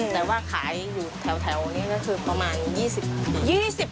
แต่ว่าขายอยู่แถวนี้ก็คือประมาณ๒๐ปี